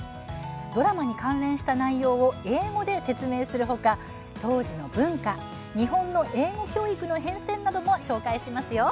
ドラマに関連した内容を英語で説明するほか、当時の文化日本の英語教育の変遷なども紹介しますよ。